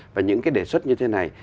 và những cái đề xuất như thế này